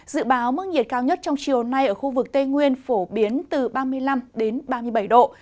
dự báo mức nhiệt cao nhất trong chiều nay ở khu vực tây nguyên phổ biến từ ba mươi năm đến ba mươi bảy độ